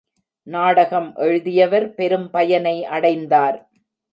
நாடகம் எழுதியவர் பெரும் பயனை அடைந்தார்!